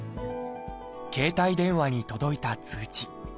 携帯電話に届いた通知。